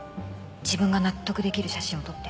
自分が納得できる写真を撮って。